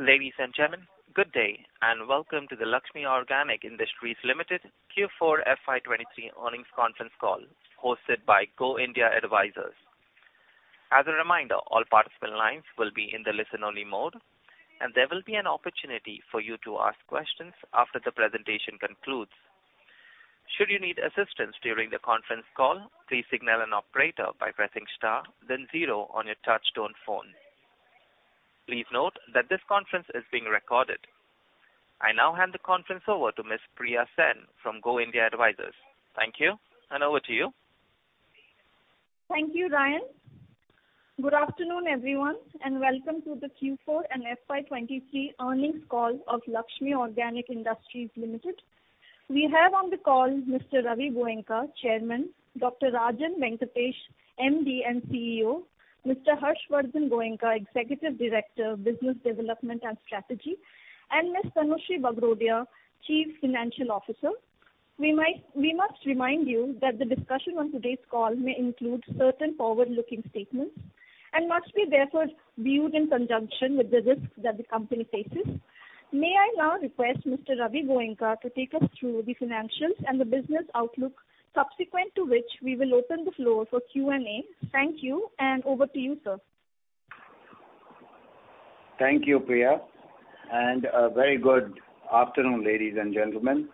Ladies and gentlemen, good day, welcome to the Laxmi Organic Industries Limited Q4 FY 2023 earnings conference call hosted by Go India Advisors. As a reminder, all participant lines will be in the listen-only mode, and there will be an opportunity for you to ask questions after the presentation concludes. Should you need assistance during the conference call, please signal an operator by pressing star then zero on your touch-tone phone. Please note that this conference is being recorded. I now hand the conference over to Ms. Priya Sen from Go India Advisors. Thank you, and over to you. Thank you, Ryan. Good afternoon, everyone, and welcome to the Q4 and FY 2023 earnings call of Laxmi Organic Industries Limited. We have on the call Mr. Ravi Goenka, Chairman, Dr. Rajan Venkatesh, MD and CEO, Mr. Harsh Varadan Goenka, Executive Director Business Development and Strategy, and Ms. Tanushree Bagrodia, Chief Financial Officer. We must remind you that the discussion on today's call may include certain forward-looking statements and must be therefore viewed in conjunction with the risks that the company faces. May I now request Mr. Ravi Goenka to take us through the financials and the business outlook, subsequent to which we will open the floor for Q&A. Thank you, and over to you, sir. Thank you, Priya. A very good afternoon, ladies and gentlemen.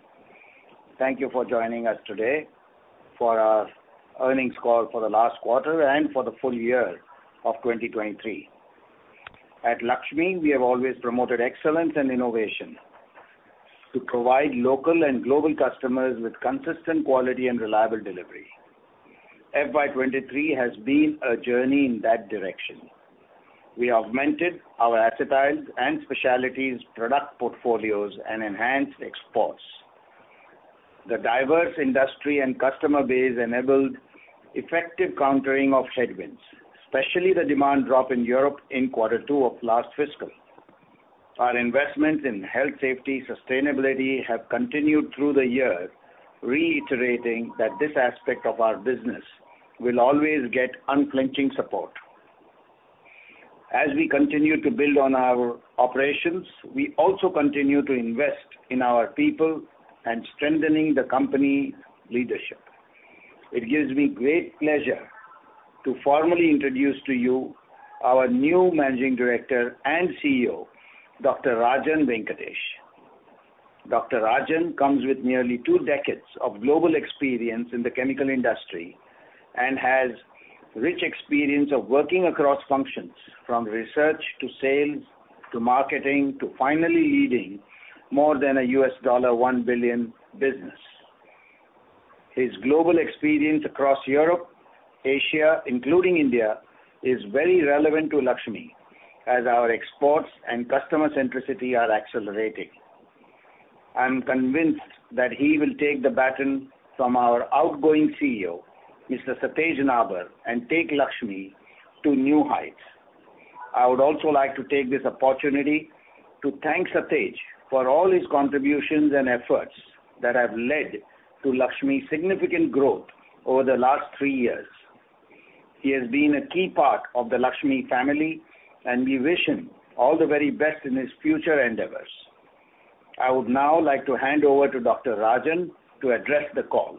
Thank you for joining us today for our earnings call for the last quarter and for the full year of 2023. At Laxmi, we have always promoted excellence and innovation to provide local and global customers with consistent quality and reliable delivery. FY 2023 has been a journey in that direction. We augmented our Acetyls and specialties product portfolios and enhanced exports. The diverse industry and customer base enabled effective countering of headwinds, especially the demand drop in Europe in Q2 of last fiscal. Our investment in health safety sustainability have continued through the year, reiterating that this aspect of our business will always get unflinching support. As we continue to build on our operations, we also continue to invest in our people and strengthening the company leadership. It gives me great pleasure to formally introduce to you our new Managing Director and CEO, Dr. Rajan Venkatesh. Dr. Rajan comes with nearly two decades of global experience in the chemical industry and has rich experience of working across functions from research to sales to marketing to finally leading more than a $1 billion business. His global experience across Europe, Asia, including India, is very relevant to Laxmi as our exports and customer centricity are accelerating. I'm convinced that he will take the baton from our outgoing CEO, Mr. Satej Nabar, and take Laxmi to new heights. I would also like to take this opportunity to thank Satej for all his contributions and efforts that have led to Laxmi's significant growth over the last three years. He has been a key part of the Laxmi family. We wish him all the very best in his future endeavors. I would now like to hand over to Dr. Rajan to address the call.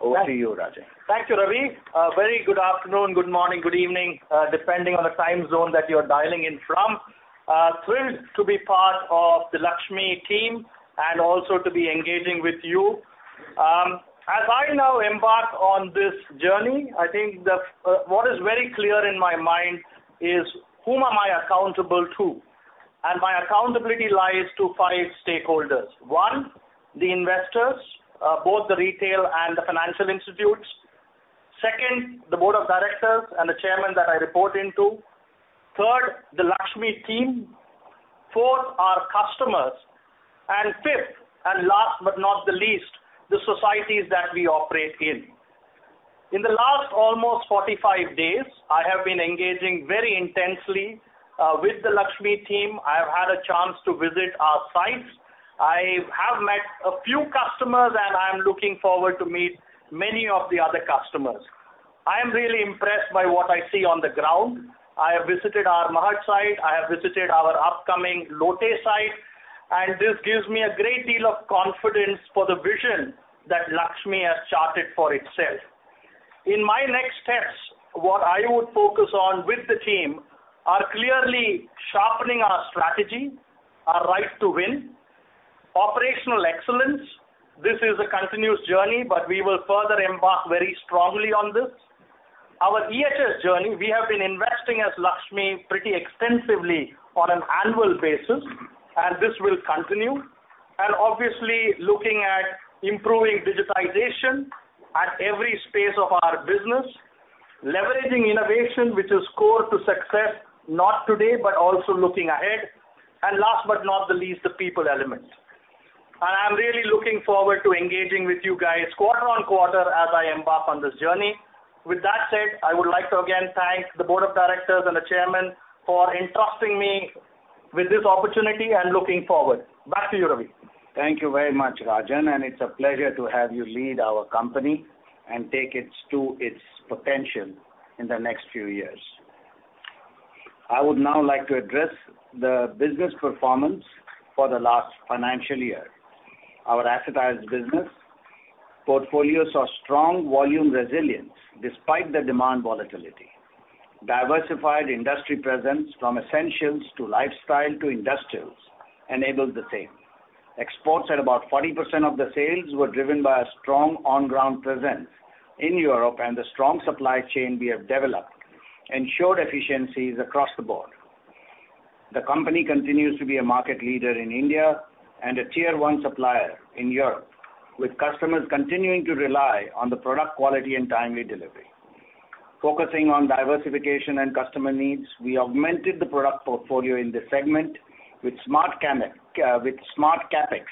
Over to you, Rajan. Thank you, Ravi. Very good afternoon, good morning, good evening, depending on the time zone that you're dialing in from. Thrilled to be part of the Laxmi team and also to be engaging with you. As I now embark on this journey, I think what is very clear in my mind is whom am I accountable to? My accountability lies to five stakeholders. One, the investors, both the retail and the financial institutes. Two, the board of directors and the chairman that I report into. Three, the Laxmi team. Four, our customers. Five, and last but not the least, the societies that we operate in. In the last almost 45 days, I have been engaging very intensely with the Laxmi team. I have had a chance to visit our sites. I have met a few customers, and I am looking forward to meet many of the other customers. I am really impressed by what I see on the ground. I have visited our Mahad site, I have visited our upcoming Lote site, and this gives me a great deal of confidence for the vision that Laxmi has charted for itself. In my next steps, what I would focus on with the team are clearly sharpening our strategy, our right to win, operational excellence. This is a continuous journey, but we will further embark very strongly on this. Our EHS journey, we have been investing as Laxmi pretty extensively on an annual basis, and this will continue. Obviously, looking at improving digitization at every space of our business, leveraging innovation which is core to success, not today, but also looking ahead. Last but not the least, the people element. I'm really looking forward to engaging with you guys quarter-on-quarter as I embark on this journey. With that said, I would like to again thank the board of directors and the Chairman for entrusting me with this opportunity, I am looking forward. Back to you, Ravi. Thank you very much, Rajan. It's a pleasure to have you lead our company and take it to its potential in the next few years. I would now like to address the business performance for the last financial year. Our Acetyl Intermediate business portfolio saw strong volume resilience despite the demand volatility. Diversified industry presence from essentials to lifestyle to industrials enabled the same. Exports at about 40% of the sales were driven by a strong on-ground presence in Europe. The strong supply chain we have developed ensured efficiencies across the board. The company continues to be a market leader in India and a tier-one supplier in Europe, with customers continuing to rely on the product quality and timely delivery. Focusing on diversification and customer needs, we augmented the product portfolio in this segment with smart CapEx,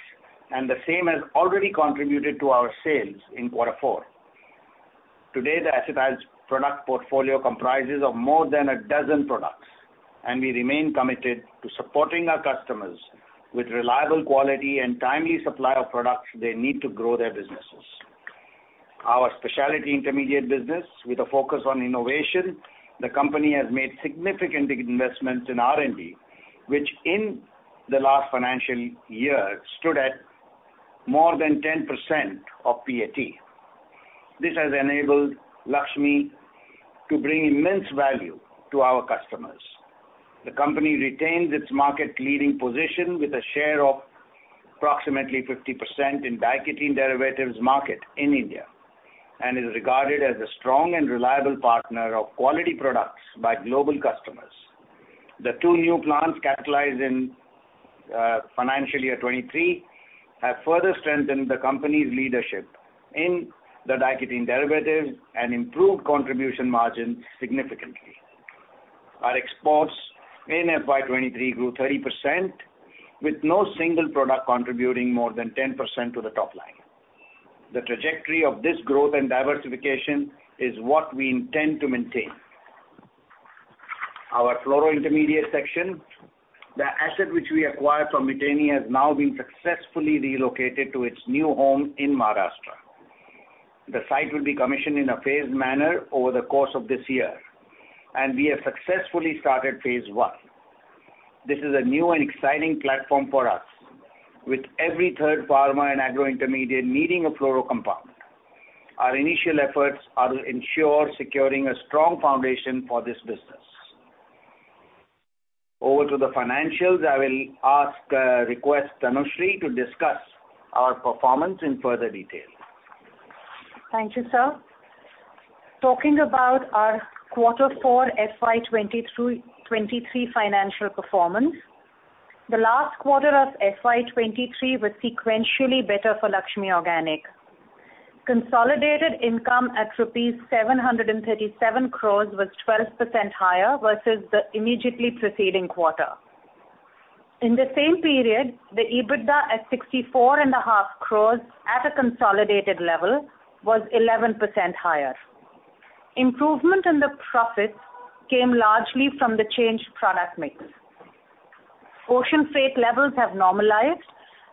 and the same has already contributed to our sales in quarter four. Today, the Acetyls product portfolio comprises of more than a dozen products, and we remain committed to supporting our customers with reliable quality and timely supply of products they need to grow their businesses. Our specialty intermediate business with a focus on innovation, the company has made significant investments in R&D, which in the last financial year stood at more than 10% of PAT. This has enabled Laxmi to bring immense value to our customers. The company retains its market-leading position with a share of approximately 50% in diketene derivatives market in India and is regarded as a strong and reliable partner of quality products by global customers. The two new plants capitalized in financial year 2023 have further strengthened the company's leadership in the diketene derivatives and improved contribution margin significantly. Our exports in FY 2023 grew 30% with no single product contributing more than 10% to the top line. The trajectory of this growth and diversification is what we intend to maintain. Our fluoro intermediate section, the asset which we acquired from Miteni has now been successfully relocated to its new home in Maharashtra. The site will be commissioned in a phased manner over the course of this year, and we have successfully started phase I. This is a new and exciting platform for us. With every third pharma and agro intermediate needing a fluoro compound, our initial efforts are to ensure securing a strong foundation for this business. Over to the financials, I will ask, request Tanushree to discuss our performance in further detail. Thank you, sir. Talking about our Q4 FY 2022-2023 financial performance, the last quarter of FY 2023 was sequentially better for Laxmi Organic. Consolidated income at rupees 737 crores was 12% higher versus the immediately preceding quarter. In the same period, the EBITDA at 64.5 crores at a consolidated level was 11% higher. Improvement in the profits came largely from the changed product mix. Ocean freight levels have normalized,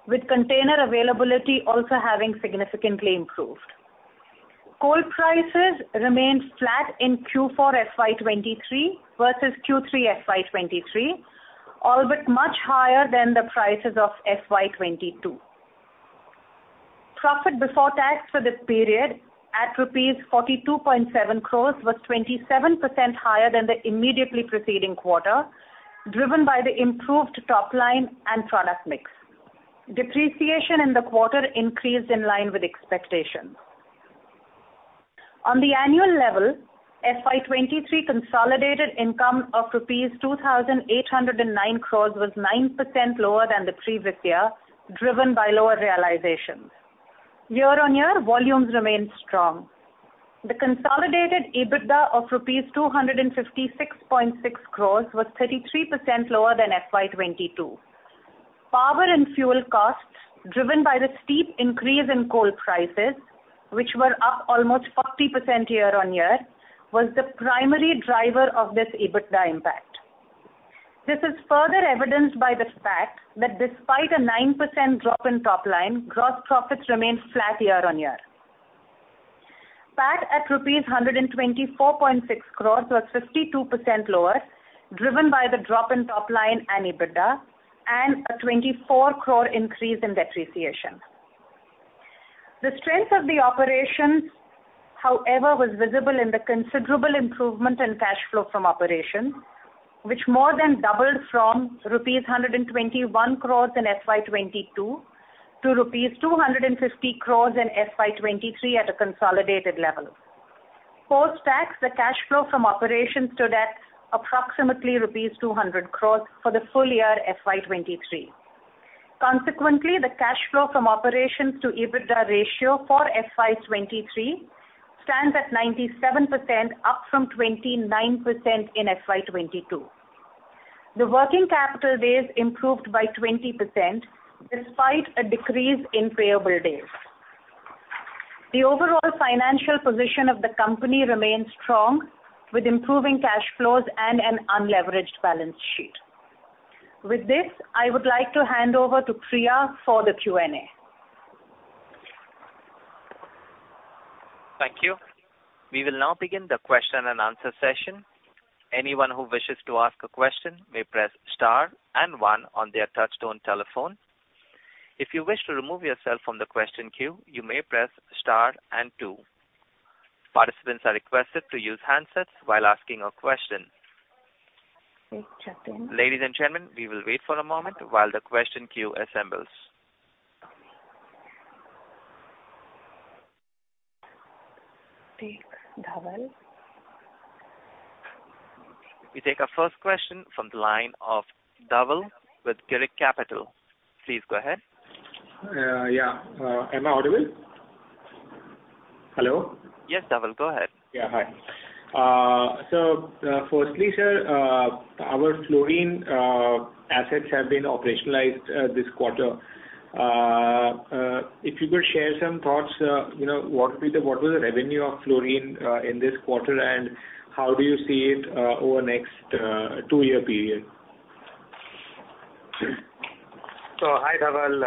with container availability also having significantly improved. Coal prices remained flat in Q4 FY 2023 versus Q3 FY 2023, all but much higher than the prices of FY 2022. Profit before tax for this period at rupees 42.7 crores was 27% higher than the immediately preceding quarter, driven by the improved top line and product mix. Depreciation in the quarter increased in line with expectations. On the annual level, FY 2023 consolidated income of rupees 2,809 crores was 9% lower than the previous year, driven by lower realizations. Year-on-year, volumes remained strong. The consolidated EBITDA of rupees 256.6 crores was 33% lower than FY 2022. Power and fuel costs, driven by the steep increase in coal prices, which were up almost 40% year-on-year, was the primary driver of this EBITDA impact. This is further evidenced by the fact that despite a 9% drop in top line, gross profits remained flat year-on-year. PAT at rupees 124.6 crores was 52% lower, driven by the drop in top line and EBITDA and a 24 crore increase in depreciation. The strength of the operations, however, was visible in the considerable improvement in cash flow from operations, which more than doubled from rupees 121 crores in FY 2022 to rupees 250 crores in FY 2023 at a consolidated level. Post-tax, the cash flow from operations stood at approximately rupees 200 crores for the full year FY 2023. Consequently, the cash flow from operations to EBITDA ratio for FY 2023 stands at 97%, up from 29% in FY 2022. The working capital days improved by 20% despite a decrease in payable days. The overall financial position of the company remains strong, with improving cash flows and an unleveraged balance sheet. With this, I would like to hand over to Priya for the Q&A. Thank you. We will now begin the question and answer session. Anyone who wishes to ask a question may press star one on their touch-tone telephone. If you wish to remove yourself from the question queue, you may press star two. Participants are requested to use handsets while asking a question. Ladies and gentlemen, we will wait for a moment while the question queue assembles. Take Dhaval. We take our first question from the line of Dhaval with Girik Capital. Please go ahead. Yeah. Am I audible? Hello? Yes, Dhaval, go ahead. Yeah, hi. Firstly, sir, our fluorine assets have been operationalized this quarter. If you could share some thoughts, you know, what was the revenue of fluorine in this quarter, and how do you see it over next two-year period? Hi, Dhaval.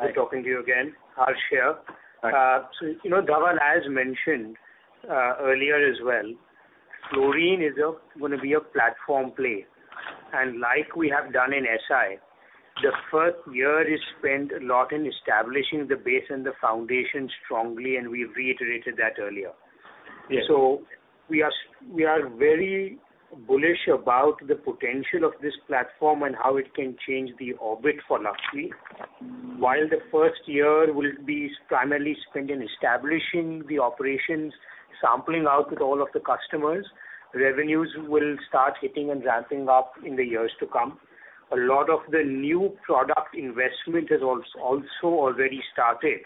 Hi. Good talking to you again. Harsh here. Hi. You know, Dhaval, as mentioned earlier as well, fluorine is gonna be a platform play. Like we have done in SI, the first year is spent a lot in establishing the base and the foundation strongly, and we've reiterated that earlier. Yes. We are very bullish about the potential of this platform and how it can change the orbit for Laxmi. While the first year will be primarily spent in establishing the operations, sampling out with all of the customers, revenues will start hitting and ramping up in the years to come. A lot of the new product investment has also already started,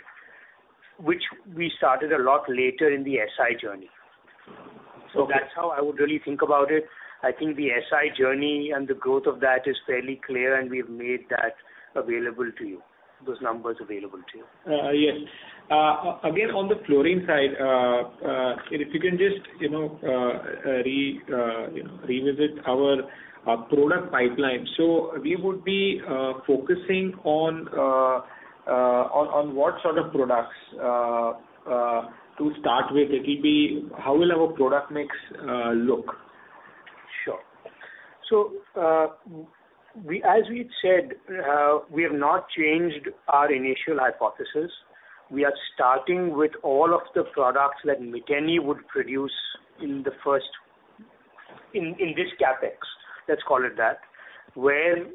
which we started a lot later in the SI journey. Okay. That's how I would really think about it. I think the SI journey and the growth of that is fairly clear, and we've made that available to you, those numbers available to you. Yes. Again, on the fluorine side, if you can just, you know, revisit our product pipeline. We would be focusing on what sort of products to start with? It'll be how will our product mix look? Sure. As we've said, we have not changed our initial hypothesis. We are starting with all of the products that Miteni would produce in this CapEx, let's call it that, where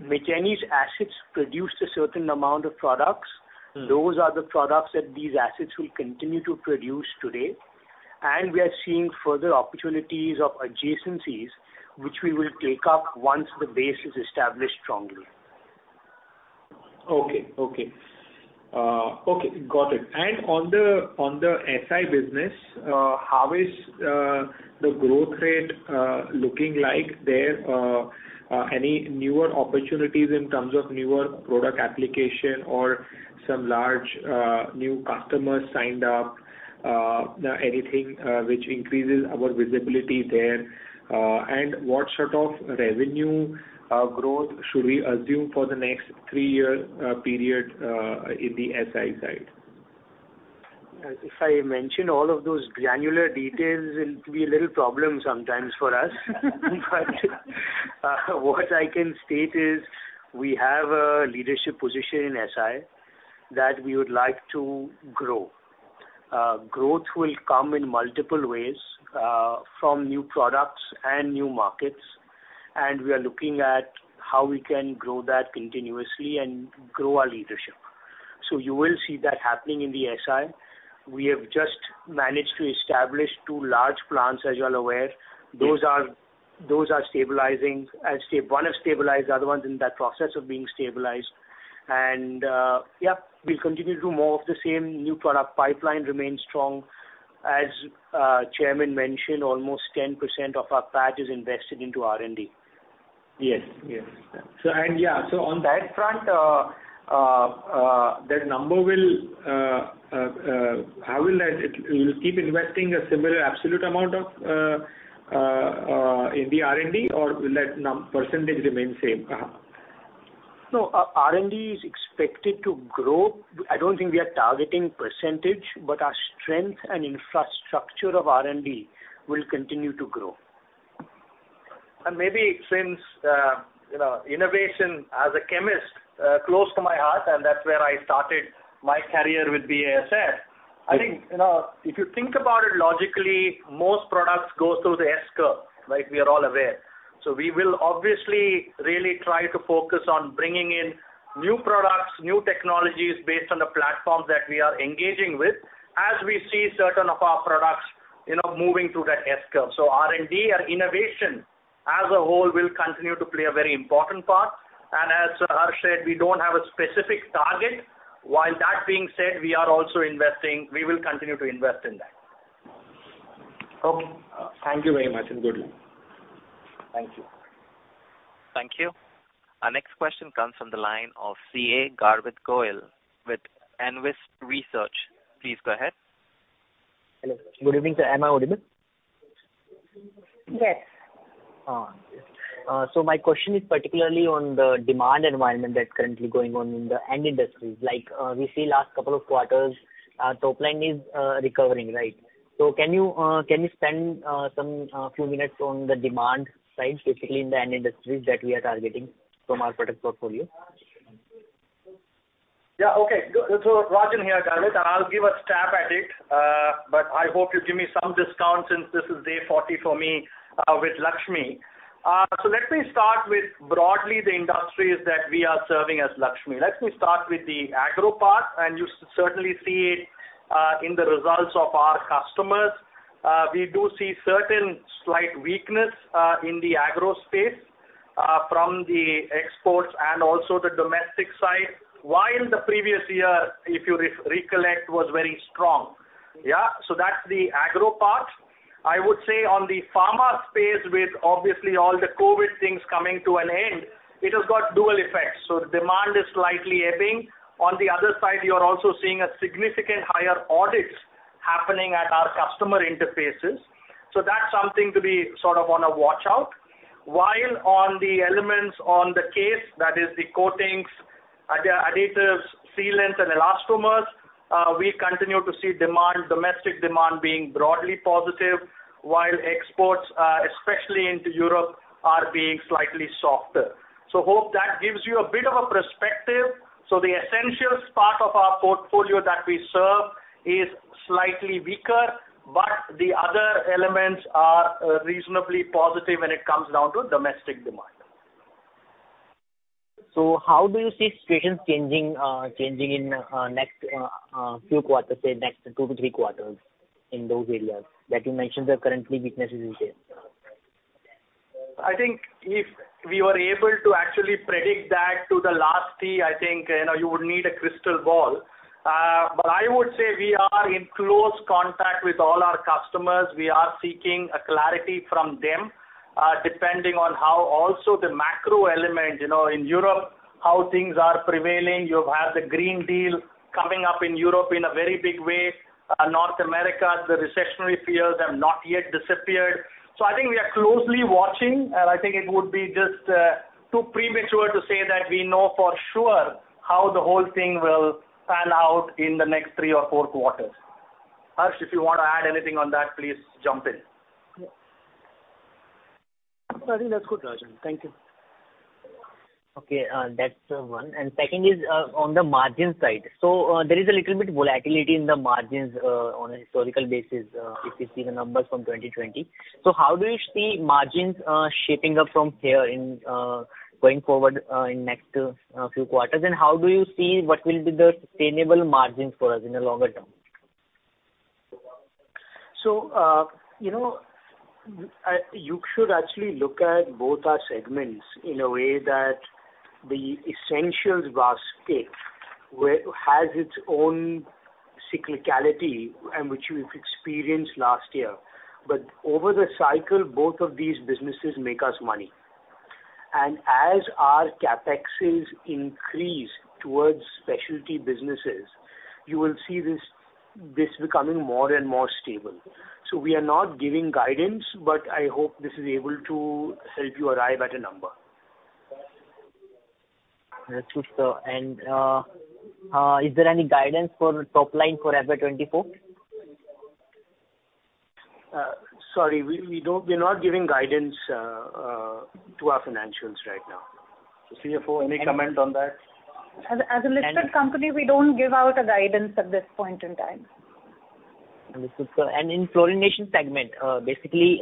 Miteni's assets produced a certain amount of products. Mm-hmm. Those are the products that these assets will continue to produce today, and we are seeing further opportunities of adjacencies which we will take up once the base is established strongly. Okay. Okay. Okay. Got it. On the, on the SI business, how is the growth rate looking like there? Any newer opportunities in terms of newer product application or some large new customers signed up, anything which increases our visibility there? What sort of revenue growth should we assume for the next three-year period in the SI side? If I mention all of those granular details, it'll be a little problem sometimes for us. What I can state is we have a leadership position in SI that we would like to grow. Growth will come in multiple ways, from new products and new markets, and we are looking at how we can grow that continuously and grow our leadership. You will see that happening in the SI. We have just managed to establish two large plants, as you're aware. Yes. Those are, those are stabilizing. I'd say one is stabilized, the other one's in that process of being stabilized. Yeah, we'll continue to do more of the same. New product pipeline remains strong. As Chairman mentioned, almost 10% of our PAT is invested into R&D. Yes. Yes. Yeah, so on that front, that number will, you'll keep investing a similar absolute amount of in the R&D, or will that percentage remain same? Uh-huh. No, R&D is expected to grow. I don't think we are targeting percentage, but our strength and infrastructure of R&D will continue to grow. And maybe since, you know, innovation as a chemist, close to my heart, and that's where I started my career with BASF, Mm-hmm. I think, you know, Ff you think about it logically, most products go through the S-curve, like we are all aware. We will obviously really try to focus on bringing in new products, new technologies based on the platforms that we are engaging with as we see certain of our products, you know, moving through that S-curve. R&D and innovation as a whole will continue to play a very important part. As Harsh said, we don't have a specific target. While that being said, we are also investing, we will continue to invest in that. Thank you very much, and good luck. Thank you. Thank you. Our next question comes from the line of CA Garvit Goyal with Anvis Research. Please go ahead. Hello. Good evening, sir. Am I audible? Yes. My question is particularly on the demand environment that's currently going on in the end industries. Like, we see last couple of quarters, top line is recovering, right? Can you spend some few minutes on the demand side, specifically in the end industries that we are targeting from our product portfolio? Yeah, okay. Rajan here, Garvit. I'll give a stab at it, but I hope you give me some discount since this is day 40 for me, with Laxmi. Let me start with broadly the industries that we are serving as Laxmi. Let me start with the agro part, and you certainly see it, in the results of our customers. We do see certain slight weakness, in the agro space, from the exports and also the domestic side, while the previous year, if you recollect, was very strong. Yeah. That's the agro part. I would say on the pharma space with obviously all the COVID things coming to an end, it has got dual effects. The demand is slightly ebbing. On the other side, you are also seeing a significant higher audits happening at our customer interfaces. That's something to be sort of on a watch-out. While on the elements on the CASE, that is the coatings, additives, sealants and elastomers, we continue to see demand, domestic demand being broadly positive, while exports, especially into Europe are being slightly softer. Hope that gives you a bit of a perspective. The essentials part of our portfolio that we serve is slightly weaker, but the other elements are reasonably positive when it comes down to domestic demand. How do you see situations changing in next few quarters, say next two to three quarters in those areas that you mentioned are currently weaknesses is there? I think if we were able to actually predict that to the last T, I think, you know, you would need a crystal ball. I would say we are in close contact with all our customers. We are seeking a clarity from them, depending on how also the macro element, you know, in Europe, how things are prevailing. You have the Green Deal coming up in Europe in a very big way. North America, the recessionary fears have not yet disappeared. I think we are closely watching, and I think it would be just too premature to say that we know for sure how the whole thing will pan out in the next three or four quarters. Harsh, if you want to add anything on that, please jump in. I think that's good, Rajan. Thank you. Okay. That's one. Second is, on the margin side. There is a little bit volatility in the margins, on a historical basis, if you see the numbers from 2020. How do you see margins shaping up from here in going forward in next few quarters? How do you see what will be the sustainable margins for us in the longer term? you know, you should actually look at both our segments in a way that the essentials basket has its own cyclicality and which we've experienced last year. Over the cycle, both of these businesses make us money. As our CapEx increase towards specialty businesses, you will see this becoming more and more stable. We are not giving guidance, but I hope this is able to help you arrive at a number. That's good, sir. Is there any guidance for top line for FY 2024? Sorry, we don't, we're not giving guidance to our financials right now. CFO, any comment on that? As a listed company, we don't give out a guidance at this point in time. Understood, sir. In fluorination segment, basically,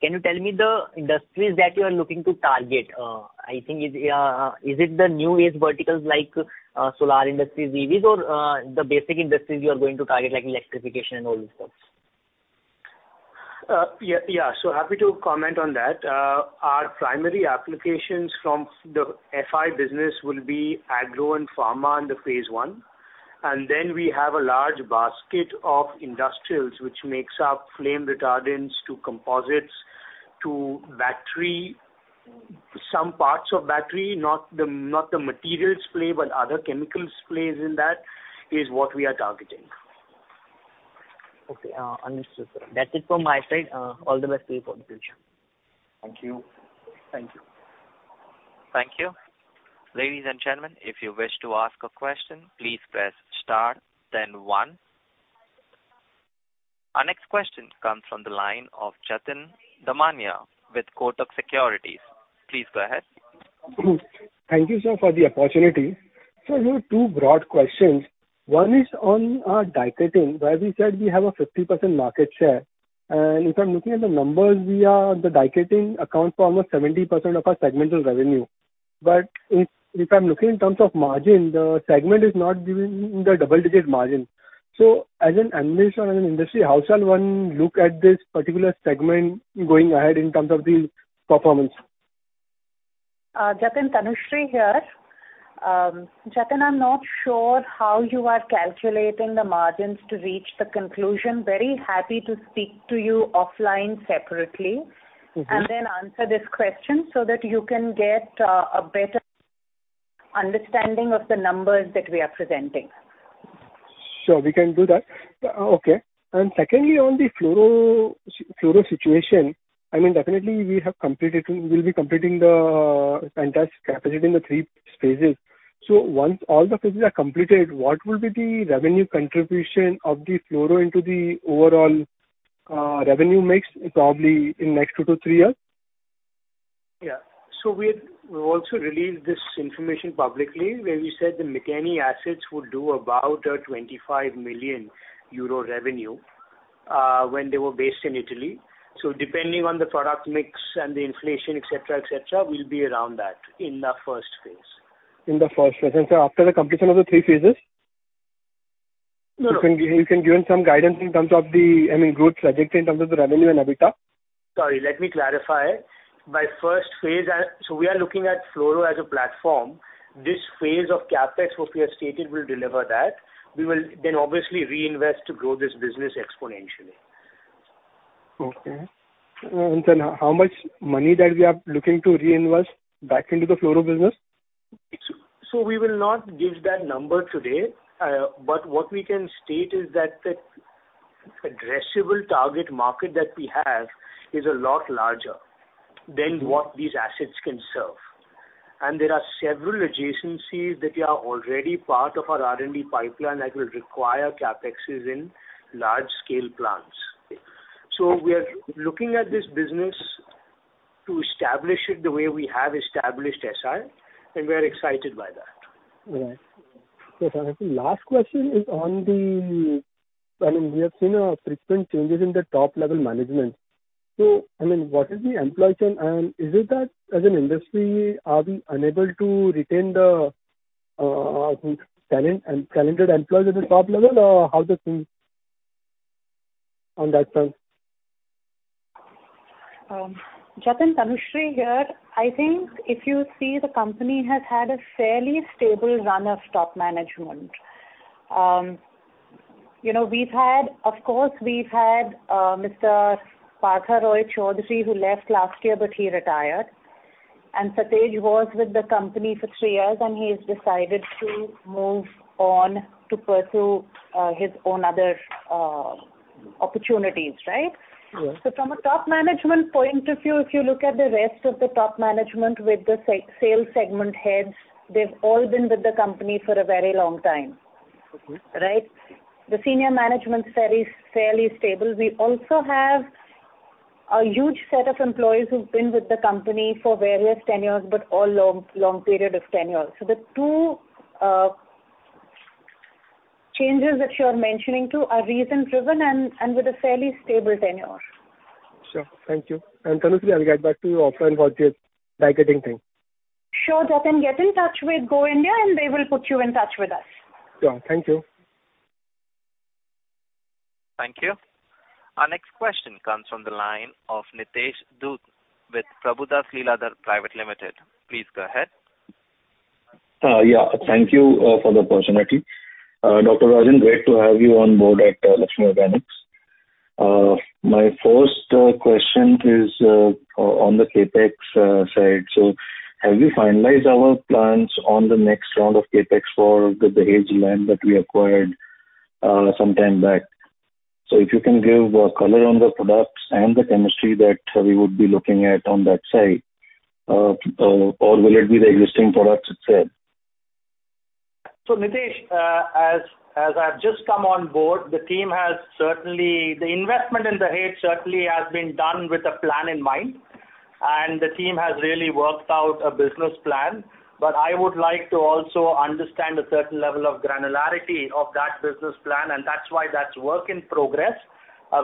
can you tell me the industries that you are looking to target? I think, is it the new age verticals like solar industries, EVs, or the basic industries you are going to target like electrification and all these things? Yeah, happy to comment on that. Our primary applications from the FI business will be agro and pharma in the phase I. Then we have a large basket of industrials, which makes up flame retardants to composites to battery, some parts of battery, not the materials play, but other chemicals plays in that is what we are targeting. Understood, sir. That's it from my side. All the best to you for the future. Thank you. Thank you. Thank you. Ladies and gentlemen, if you wish to ask a question, please press star then one. Our next question comes from the line of Jatin Damania with Kotak Securities. Please go ahead. Thank you, sir, for the opportunity. Sir, we have two broad questions. One is on our diketenes, where we said we have a 50% market share. If I'm looking at the numbers, we are the diketenes account for almost 70% of our segmental revenue. If I'm looking in terms of margin, the segment is not giving the double-digit margin. As an analyst or as an industry, how shall one look at this particular segment going ahead in terms of the performance? Jatin, Tanushree here. Jatin, I'm not sure how you are calculating the margins to reach the conclusion. Very happy to speak to you offline separately. Mm-hmm. Then answer this question so that you can get a better understanding of the numbers that we are presenting. Sure, we can do that. Okay. Secondly, on the fluoro situation, I mean, definitely we'll be completing capacity in the three phases. Once all the phases are completed, what will be the revenue contribution of the fluoro into the overall revenue mix probably in next two to three years? Yeah. We've also released this information publicly, where we said the Miteni assets would do about 25 million euro revenue when they were based in Italy. Depending on the product mix and the inflation, et cetera, et cetera, we'll be around that in the first phase. In the first phase. After the completio`n of the three phases? No- You can give some guidance in terms of the, I mean, growth trajectory in terms of the revenue and EBITDA? Sorry, let me clarify. By first phase, we are looking at fluoro as a platform. This phase of CapEx, what we have stated, will deliver that. We will obviously reinvest to grow this business exponentially. Okay. How much money that we are looking to reinvest back into the fluoro business? We will not give that number today. What we can state is that the addressable target market that we have is a lot larger than what these assets can serve. There are several adjacencies that are already part of our R&D pipeline that will require CapExes in large scale plants. We are looking at this business to establish it the way we have established SI, and we're excited by that. Tanushree, I mean, we have seen frequent changes in the top level management. I mean, what is the employee churn, and is it that as an industry, are we unable to retain the talent and talented employees at the top level, or how does it seem on that front? Jatin, Tanushree here. I think if you see, the company has had a fairly stable run of top management. You know, Of course, we've had Mr. Partha Roy Chowdhury, who left last year, but he retired. Satej was with the company for three years, and he's decided to move on to pursue his own other opportunities, right? Yes. From a top management point of view, if you look at the rest of the top management with the sales segment heads, they've all been with the company for a very long time. Okay. Right? The senior management's fairly stable. We also have a huge set of employees who've been with the company for various tenures, but all long, long period of tenure. The two changes that you're mentioning too are reason driven and with a fairly stable tenure. Sure. Thank you. Tanushree, I'll get back to you offline for the guided thing. Sure, Jatin. Get in touch with Go India, and they will put you in touch with us. Sure. Thank you. Thank you. Our next question comes from the line of Nitesh Datt with Prabhudas Lilladher Private Limited. Please go ahead. Yeah. Thank you for the opportunity. Dr. Rajan, great to have you on board at Laxmi Organic. My first question is on the CapEx side. Have you finalized our plans on the next round of CapEx for the Hageland that we acquired some time back? If you can give a color on the products and the chemistry that we would be looking at on that side, or will it be the existing products itself? Nitesh, as I've just come on board, the team has certainly. The investment in The H certainly has been done with a plan in mind, and the team has really worked out a business plan. I would like to also understand a certain level of granularity of that business plan, and that's why that's work in progress.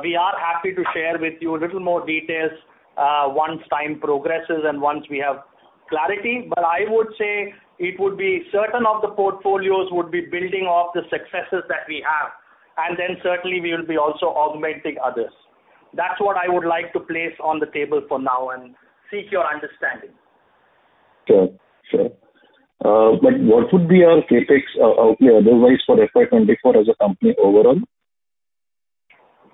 We are happy to share with you a little more details, once time progresses and once we have clarity. I would say it would be certain of the portfolios would be building off the successes that we have. Then certainly we will be also augmenting others. That's what I would like to place on the table for now and seek your understanding. Sure, sure. What would be our CapEx outlay otherwise for FY 2024 as a company overall?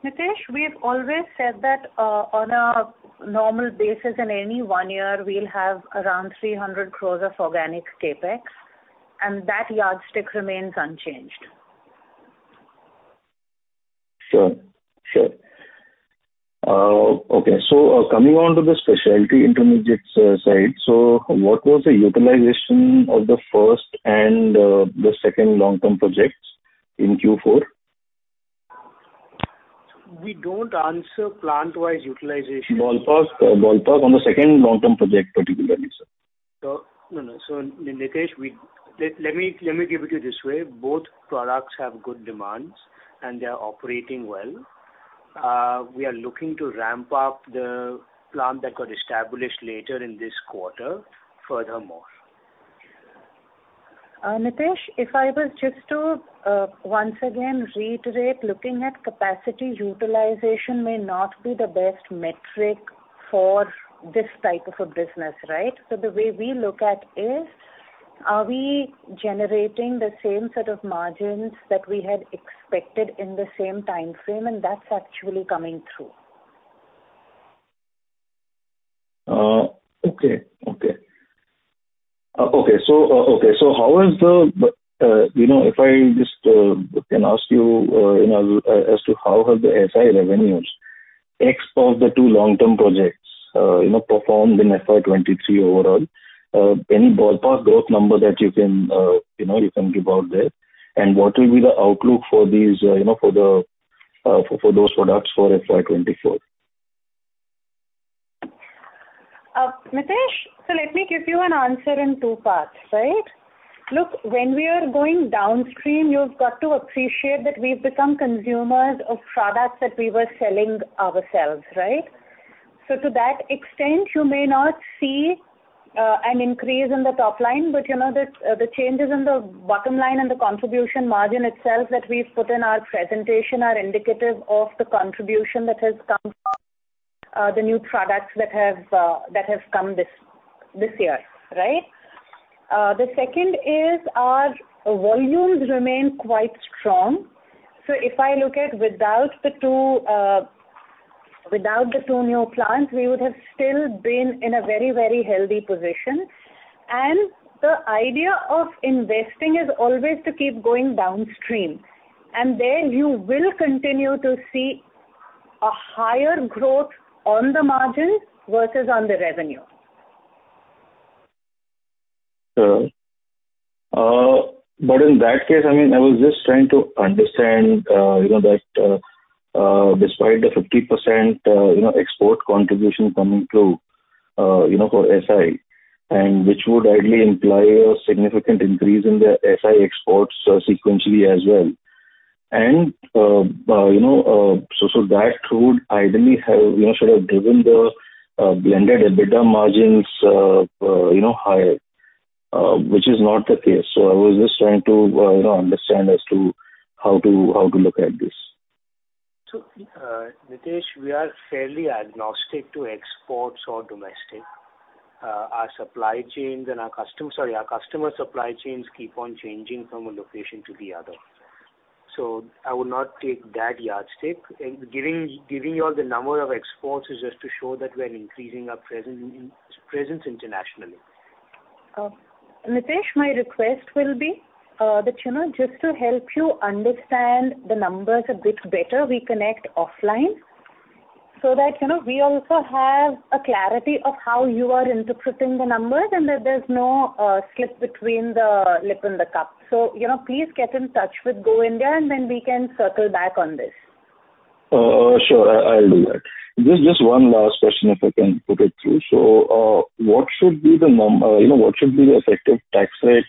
Nitesh, we've always said that on a normal basis in any one year, we'll have around 300 crores of organic CapEx, and that yardstick remains unchanged. Sure. Okay. Coming on to the specialty intermediates side. What was the utilization of the first and the second long-term projects in Q4? We don't answer plant-wise utilization. Ballpark on the second long-term project particularly, sir. No. Nitesh, let me give it to you this way. Both products have good demands, and they are operating well. We are looking to ramp up the plant that got established later in this quarter furthermore. Nitesh, if I was just to once again reiterate, looking at capacity utilization may not be the best metric for this type of a business, right? The way we look at is, are we generating the same set of margins that we had expected in the same time frame? That's actually coming through. Okay. How is the, you know, if I just can ask you know, as to how have the SI revenues, X of the two long-term projects, you know, performed in FY 2023 overall, any ballpark growth number that you can, you know, you can give out there? What will be the outlook for these, you know, for the products for FY 2024? Nitesh, let me give you an answer in two parts, right? Look, when we are going downstream, you've got to appreciate that we've become consumers of products that we were selling ourselves, right? To that extent, you may not see an increase in the top line, but, you know, the changes in the bottom line and the contribution margin itself that we've put in our presentation are indicative of the contribution that has come from the new products that have that have come this year, right? The second is our volumes remain quite strong. If I look at without the two without the two new plants, we would have still been in a very, very healthy position. The idea of investing is always to keep going downstream. There you will continue to see a higher growth on the margin versus on the revenue. Sure. In that case, I mean, I was just trying to understand, you know, that, despite the 50%, you know, export contribution coming through, you know, for SI, and which would ideally imply a significant increase in the SI exports, sequentially as well. You know, so that would ideally have, you know, should have driven the blended EBITDA margins, you know, higher, which is not the case. I was just trying to, you know, understand as to how to, how to look at this. Nitesh, we are fairly agnostic to exports or domestic. Our supply chains and our customer supply chains keep on changing from one location to the other. I would not take that yardstick. Giving you all the number of exports is just to show that we're increasing our presence in, presence internationally. Nitesh, my request will be that, you know, just to help you understand the numbers a bit better, we connect offline so that, you know, we also have a clarity of how you are interpreting the numbers and that there's no skip between the lip and the cup. You know, please get in touch with Go India, and then we can circle back on this. Sure. I'll do that. Just one last question, if I can put it through. What should be the you know, what should be the effective tax rate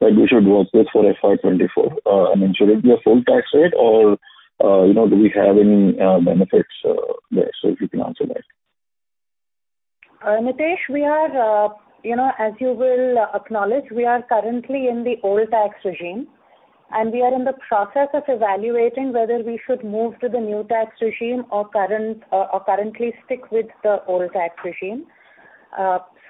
that we should work with for FY 2024? I mean, should it be a full tax rate or, you know, do we have any benefits there? If you can answer that. Nitesh, we are, you know, as you will acknowledge, we are currently in the old tax regime. We are in the process of evaluating whether we should move to the new tax regime or currently stick with the old tax regime.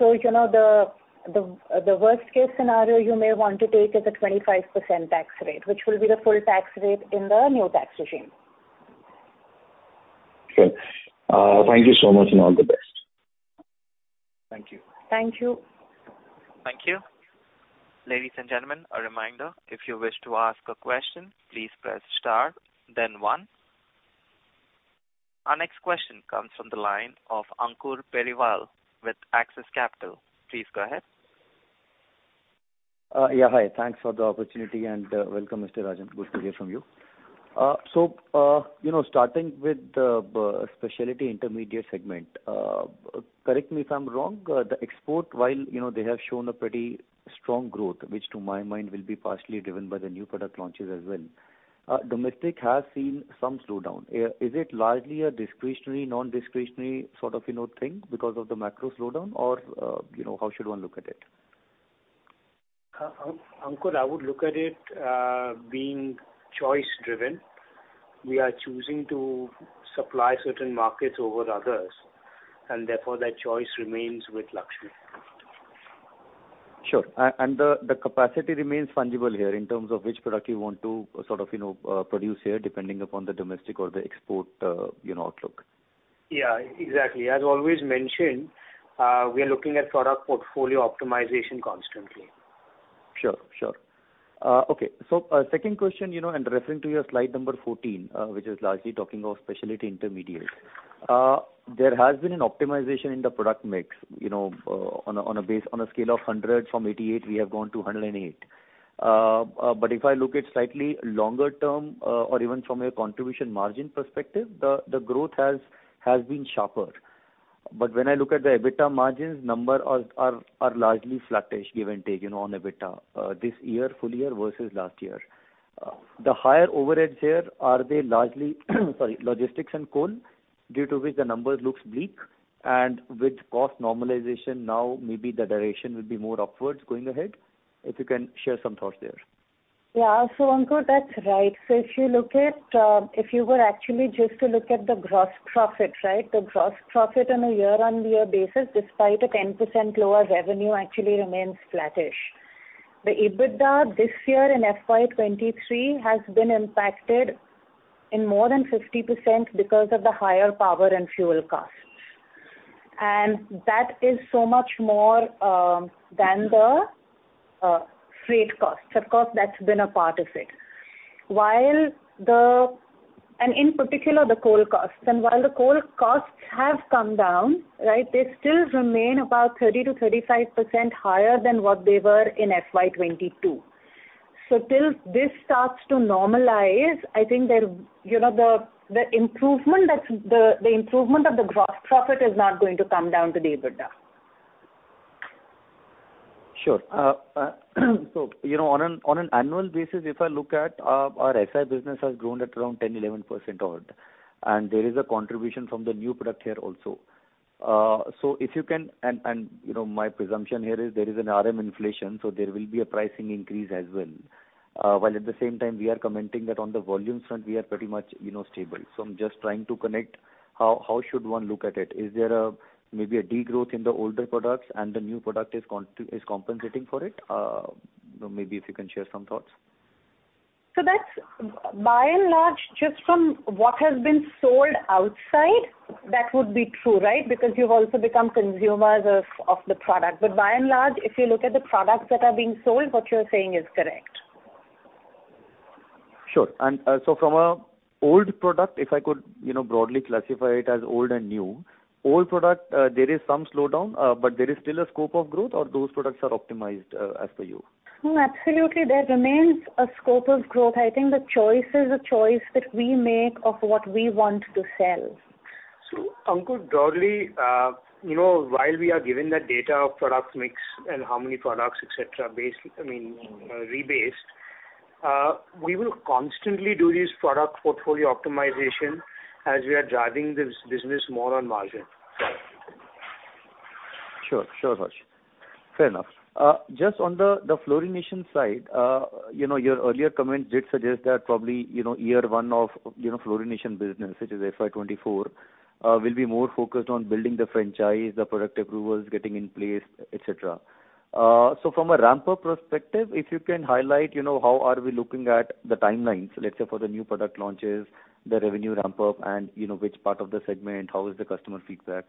You know, the worst-case scenario you may want to take is a 25% tax rate, which will be the full tax rate in the new tax regime. Sure. Thank you so much, and all the best. Thank you. Thank you. Thank you. Ladies and gentlemen, a reminder, if you wish to ask a question, please press star then one. Our next question comes from the line of Ankur Periwal with Axis Capital. Please go ahead. Yeah. Hi. Thanks for the opportunity, and welcome, Mr. Rajan. Good to hear from you. You know, starting with the specialty intermediate segment, correct me if I'm wrong, the export while, you know, they have shown a pretty strong growth, which to my mind will be partially driven by the new product launches as well. Domestic has seen some slowdown. Is it largely a discretionary, non-discretionary sort of, you know, thing because of the macro slowdown or, you know, how should one look at it? Ankur, I would look at it being choice-driven. We are choosing to supply certain markets over others, and therefore, that choice remains with Laxmi. Sure. The, the capacity remains fungible here in terms of which product you want to sort of, you know, produce here, depending upon the domestic or the export, you know, outlook. Yeah, exactly. As always mentioned, we are looking at product portfolio optimization constantly. Sure, sure. Okay. Second question, you know, and referring to your slide number 14, which is largely talking of specialty intermediates. There has been an optimization in the product mix, you know, on a base, on a scale of 100 from 88, we have gone to 108. If I look at slightly longer term, or even from a contribution margin perspective, the growth has been sharper. When I look at the EBITDA margins, numbers are largely flattish, give and take, you know, on EBITDA, this year, full year versus last year. The higher overheads here, are they largely sorry, logistics and coal, due to which the number looks bleak, and with cost normalization now, maybe the duration will be more upwards going ahead? If you can share some thoughts there. Yeah. Ankur, that's right. If you look at, if you were actually just to look at the gross profit, right? The gross profit on a year-on-year basis, despite a 10% lower revenue, actually remains flattish. The EBITDA this year in FY 2023 has been impacted in more than 50% because of the higher power and fuel costs. That is so much more than the freight costs. Of course, that's been a part of it. In particular, the coal costs. While the coal costs have come down, right? They still remain about 30%-35% higher than what they were in FY 2022. Till this starts to normalize, I think that, you know, the improvement, that's the improvement of the gross profit is not going to come down to the EBITDA. Sure. You know, on an annual basis, if I look at our SI business has grown at around 10%, 11% odd. There is a contribution from the new product here also. You know, my presumption here is there is an RM inflation. There will be a pricing increase as well. While at the same time we are commenting that on the volume front we are pretty much, you know, stable. I'm just trying to connect how should one look at it? Is there maybe a degrowth in the older products and the new product is compensating for it? Maybe if you can share some thoughts. That's by and large, just from what has been sold outside, that would be true, right? Because you've also become consumers of the product. By and large, if you look at the products that are being sold, what you're saying is correct. Sure. From a old product, if I could, you know, broadly classify it as old and new, old product, there is some slowdown, there is still a scope of growth or those products are optimized, as per you? No, absolutely, there remains a scope of growth. I think the choice is a choice that we make of what we want to sell. Ankur, broadly, you know, while we are giving the data of product mix and how many products, et cetera, base, I mean, rebased, we will constantly do this product portfolio optimization as we are driving this business more on margin. Sure. Sure, Harsh. Fair enough. Just on the fluorination side, you know, your earlier comment did suggest that probably, you know, year one of, you know, fluorination business, which is FY 2024, will be more focused on building the franchise, the product approvals getting in place, et cetera. From a ramp-up perspective, if you can highlight, you know, how are we looking at the timelines, let's say for the new product launches, the revenue ramp-up and, you know, which part of the segment, how is the customer feedback,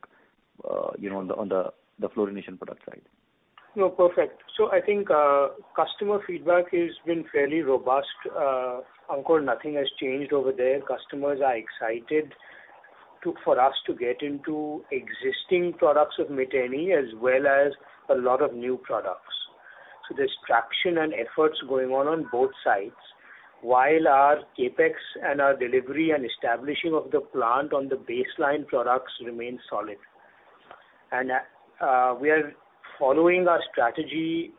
you know, on the fluorination product side? No, perfect. I think customer feedback has been fairly robust. Ankur, nothing has changed over there. Customers are excited for us to get into existing products of Miteni as well as a lot of new products. There's traction and efforts going on on both sides, while our CapEx and our delivery and establishing of the plant on the baseline products remain solid. We are following our strategy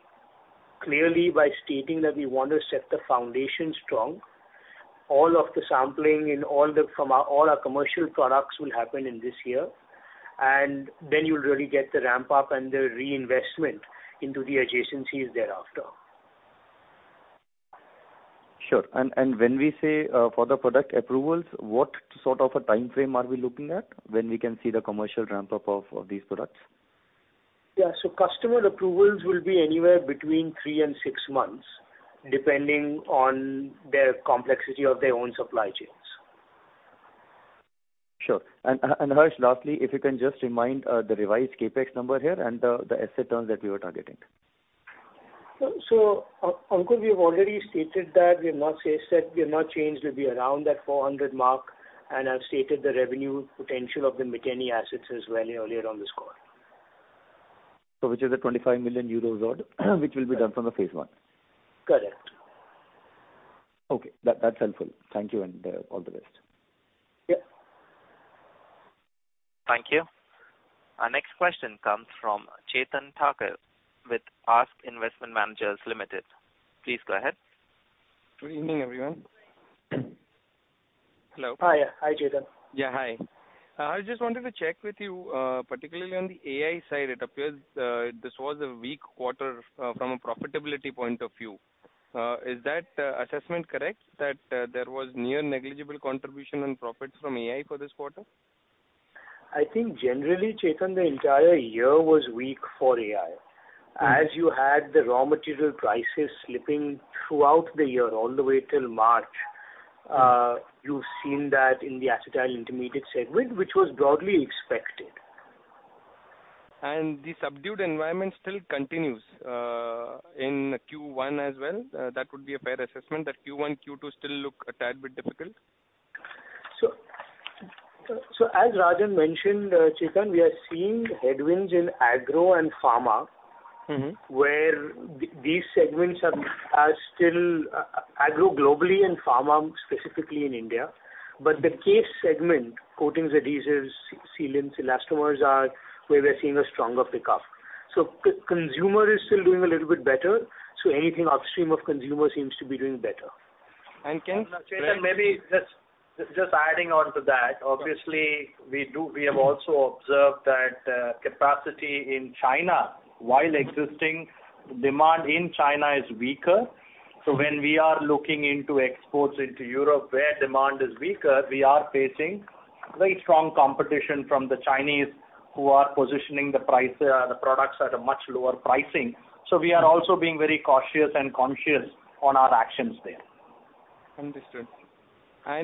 clearly by stating that we want to set the foundation strong. All of the sampling and all our commercial products will happen in this year, and then you'll really get the ramp-up and the reinvestment into the adjacencies thereafter. Sure. When we say, for the product approvals, what sort of a timeframe are we looking at when we can see the commercial ramp-up of these products? Yeah. Customer approvals will be anywhere between three and six months, depending on the complexity of their own supply chains. Sure. And Harsh, lastly, if you can just remind, the revised CapEx number here and the asset turns that we were targeting. Ankur, we have already stated that we have not changed. We'll be around that 400 mark, and I've stated the revenue potential of the Miteni assets as well earlier on this call. Which is a 25 million euros odd which will be done from the phase I. Correct. Okay. That's helpful. Thank you and all the best. Yeah. Thank you. Our next question comes from Chetan Thaker with ASK Investment Managers Limited. Please go ahead. Good evening, everyone. Hello. Hi. Hi, Chetan. Yeah, hi. I just wanted to check with you, particularly on the AI side, it appears, this was a weak quarter, from a profitability point of view. Is that assessment correct, that there was near negligible contribution on profits from AI for this quarter? I think generally, Chetan, the entire year was weak for AI. Mm-hmm. As you had the raw material prices slipping throughout the year, all the way till March, you've seen that in the Acetyl Intermediate segment, which was broadly expected. The subdued environment still continues in Q1 as well? That would be a fair assessment, that Q1, Q2 still look a tad bit difficult? as Rajan mentioned, Chetan, we are seeing headwinds in Agro and Pharma. Mm-hmm. where these segments are still Agro globally and Pharma specifically in India. The CASE segment, coatings, adhesives, sealants, elastomers are where we are seeing a stronger pickup. Consumer is still doing a little bit better, so anything upstream of consumer seems to be doing better. And can- Chetan, maybe just adding on to that. Obviously, we have also observed that, capacity in China, while existing demand in China is weaker, when we are looking into exports into Europe where demand is weaker, we are facing very strong competition from the Chinese who are positioning the price, the products at a much lower pricing. We are also being very cautious and conscious on our actions there. Understood.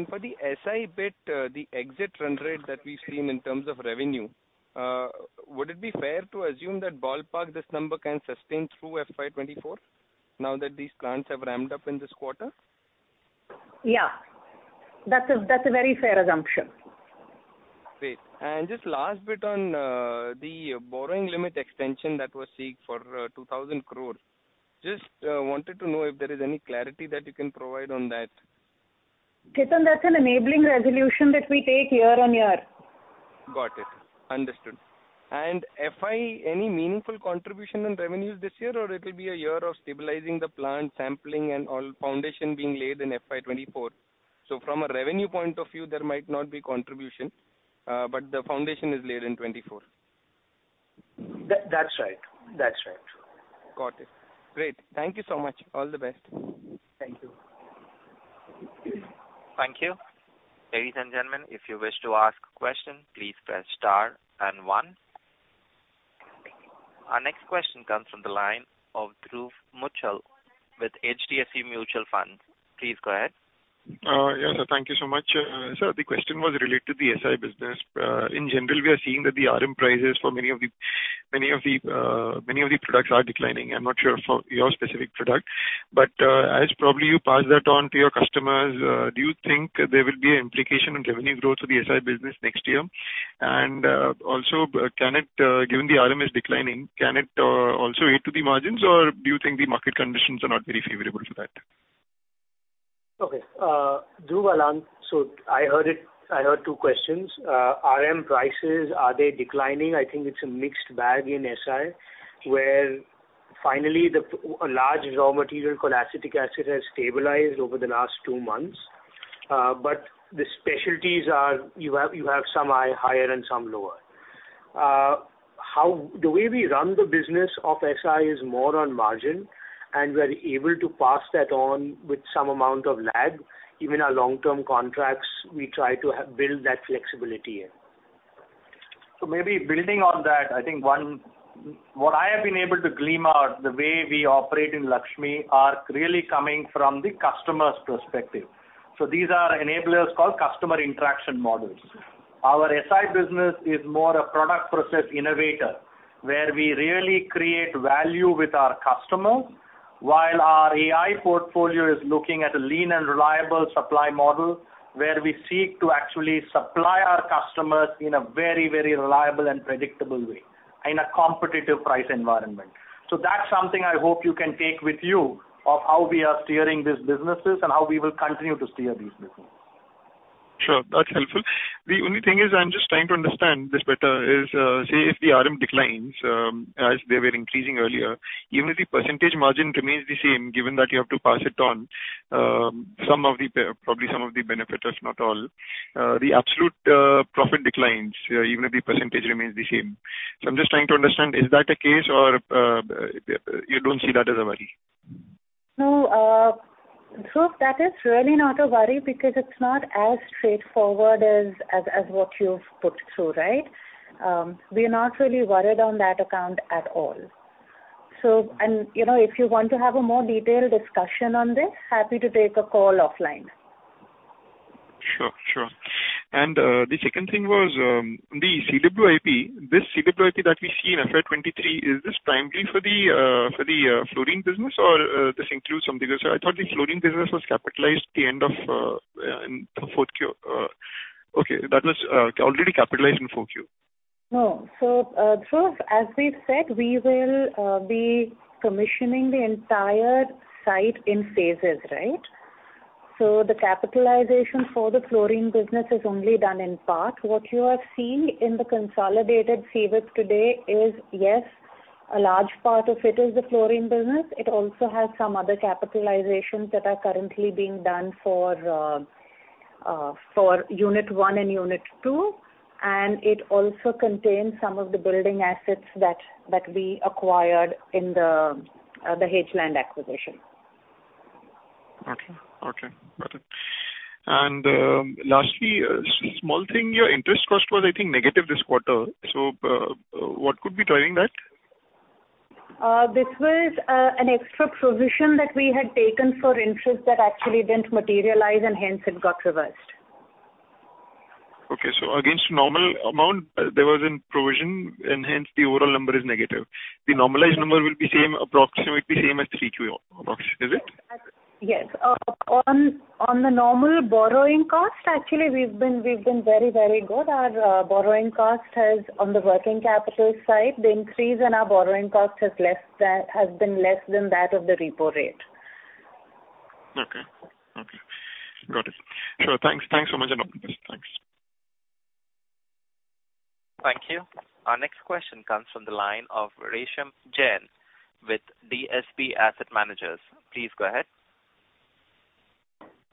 For the SI bit, the exit run rate that we've seen in terms of revenue, would it be fair to assume that ballpark this number can sustain through FY 2024 now that these plants have ramped up in this quarter? Yeah. That's a, that's a very fair assumption. Great. Just last bit on the borrowing limit extension that was seeked for 2,000 crores. Wanted to know if there is any clarity that you can provide on that. Chetan, that's an enabling resolution that we take year-on-year. Got it. Understood. FY, any meaningful contribution on revenues this year, or it'll be a year of stabilizing the plant sampling and all foundation being laid in FY 2024? From a revenue point of view, there might not be contribution, but the foundation is laid in 2024. That's right. That's right. Got it. Great. Thank you so much. All the best. Thank you. Thank you. Ladies and gentlemen, if you wish to ask a question, please press star and one. Our next question comes from the line of Dhruv Muchhal with HDFC Mutual Fund. Please go ahead. Yes, thank you so much. Sir, the question was related to the SI business. In general, we are seeing that the RM prices for many of the products are declining. I'm not sure for your specific product. As probably you pass that on to your customers, do you think there will be an implication on revenue growth for the SI business next year? Also, can it, given the RM is declining, can it, also aid to the margins, or do you think the market conditions are not very favorable for that? Okay. Dhruv, Rajan. I heard two questions. RM prices, are they declining? I think it's a mixed bag in SI, where finally the, a large raw material called acetic acid has stabilized over the last two months. The specialties are you have some higher and some lower. The way we run the business of SI is more on margin, and we are able to pass that on with some amount of lag. Even our long-term contracts, we try to build that flexibility in. Maybe building on that, I think one, what I have been able to gleam out, the way we operate in Laxmi are really coming from the customer's perspective. These are enablers called customer interaction models. Our SI business is more a product process innovator, where we really create value with our customer, while our AI portfolio is looking at a lean and reliable supply model where we seek to actually supply our customers in a very, very reliable and predictable way, in a competitive price environment. That's something I hope you can take with you of how we are steering these businesses and how we will continue to steer these businesses. Sure. That's helpful. The only thing is I'm just trying to understand this better is, say if the RM declines, as they were increasing earlier, even if the percentage margin remains the same, given that you have to pass it on, some of the, probably some of the benefit, if not all, the absolute profit declines even if the percentage remains the same. I'm just trying to understand, is that a case or, you don't see that as a worry? Dhruv, that is really not a worry because it's not as straightforward as what you've put through, right? We are not really worried on that account at all. You know, if you want to have a more detailed discussion on this, happy to take a call offline. Sure, sure. The second thing was the CWIP. This CWIP that we see in FY 2023, is this primarily for the fluorine business or this includes something else? I thought the fluorine business was capitalized at the end of in 4Q. Okay, that was already capitalized in 4Q. No. Dhruv, as we've said, we will be commissioning the entire site in phases, right? The capitalization for the fluorine business is only done in part. What you are seeing in the consolidated CWIP today is, yes, a large part of it is the fluorine business. It also has some other capitalizations that are currently being done for unit one and unit two, and it also contains some of the building assets that we acquired in the Hageland acquisition. Okay. Okay. Got it. Lastly, a small thing. Your interest cost was, I think, negative this quarter. What could be driving that? This was an extra provision that we had taken for interest that actually didn't materialize and hence it got reversed. Okay. Against normal amount, there was an provision and hence the overall number is negative. The normalized number will be same, approximately same as 3Q, approx, is it? Yes. On the normal borrowing cost, actually, we've been very good. Our, borrowing cost has, on the working capital side, the increase in our borrowing cost been less than that of the repo rate. Okay. Okay. Got it. Thanks, thanks so much, Tanushree. Thanks. Thank you. Our next question comes from the line of Resham Jain with DSP Mutual Fund. Please go ahead.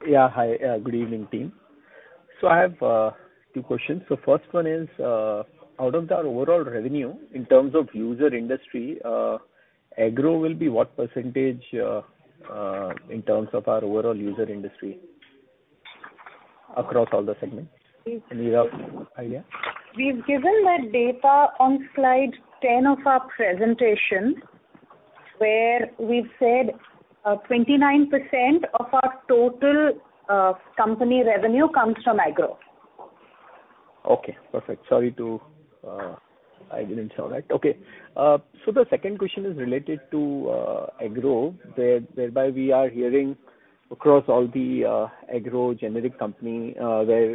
Yeah. Hi. Good evening team. I have two questions. First one is, out of the overall revenue in terms of user industry, agro will be what % in terms of our overall user industry across all the segments? Do you have any idea? We've given that data on slide 10 of our presentation, where we've said, 29% of our total, company revenue comes from agro. Okay, perfect. Sorry to, I didn't saw that. The second question is related to agro, whereby we are hearing across all the agro generic company, where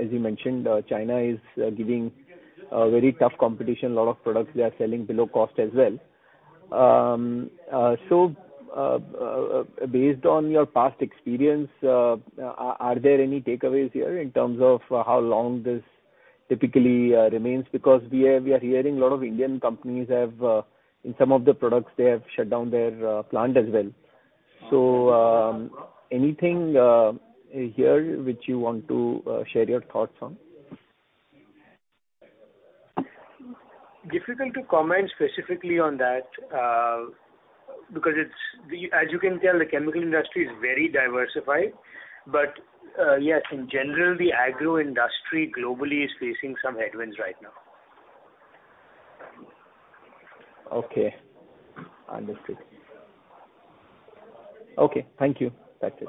as you mentioned, China is giving very tough competition. A lot of products they are selling below cost as well. Based on your past experience, are there any takeaways here in terms of how long this typically remains? We are hearing a lot of Indian companies have in some of the products, they have shut down their plant as well. Anything here which you want to share your thoughts on? Difficult to comment specifically on that because, as you can tell, the chemical industry is very diversified. Yes, in general, the agro industry globally is facing some headwinds right now. Okay. Understood. Okay. Thank you. That's it.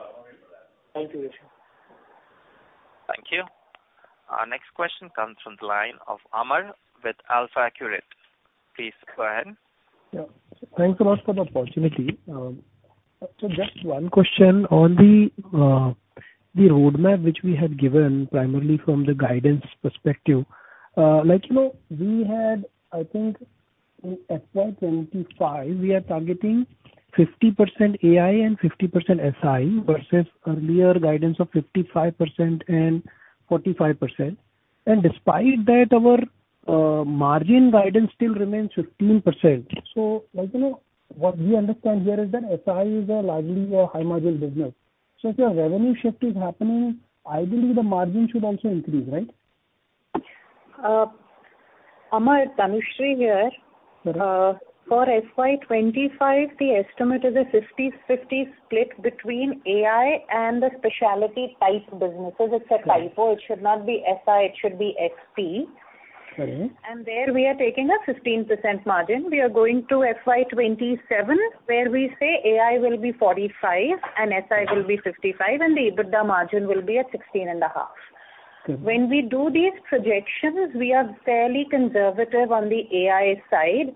Thank you, Resham. Thank you. Our next question comes from the line of Amar with AlfAccurate. Please go ahead. Yeah. Thanks a lot for the opportunity. Just one question on the roadmap which we had given primarily from the guidance perspective. Like, you know, we had, I think in FY 2025, we are targeting 50% AI and 50% SI versus earlier guidance of 55% and 45%. And despite that, our margin guidance still remains 15%. Like, you know, what we understand here is that SI is a largely a high-margin business. If your revenue shift is happening, ideally the margin should also increase, right? Amar, Tanushree here. Okay. For FY 2025, the estimate is a 50/50 split between AI and the specialty type businesses. Okay. It's a typo. It should not be SI, it should be SP. Mm-hmm. There we are taking a 15% margin. We are going to FY 2027, where we say AI will be 45 and SI will be 55, and the EBITDA margin will be at 16.5. Mm-hmm. When we do these projections, we are fairly conservative on the AI side.